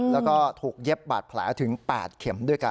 แล้วก็ถูกเย็บบาดแผลถึง๘เข็มด้วยกัน